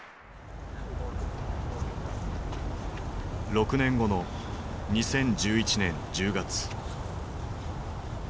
６年後の２０１１年１０月。